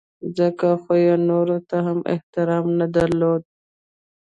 ځکه خو یې نورو ته هم احترام نه درلود.